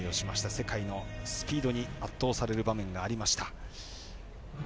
世界のスピードに圧倒される場面がありました。